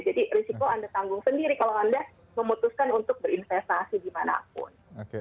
jadi risiko anda tanggung sendiri kalau anda memutuskan untuk berinvestasi dimanapun